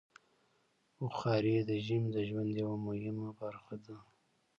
بخاري د ژمي د ژوند یوه مهمه برخه ده.